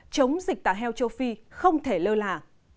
chống dịch tả heo châu phi không thể lơ là